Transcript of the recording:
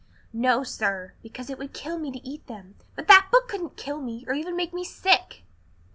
"No, sir; because it would kill me to eat them, but that book couldn't kill me, or even make me sick."